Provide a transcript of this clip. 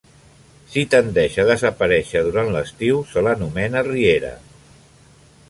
Si tendeix a desaparèixer durant l'estiu, se l'anomena riera.